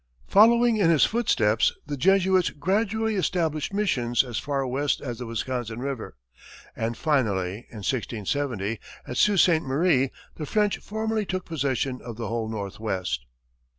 Following in his footsteps, the Jesuits gradually established missions as far west as the Wisconsin River, and, finally, in 1670, at Sault Ste. Marie, the French formally took possession of the whole Northwest.